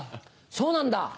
そうなんだ。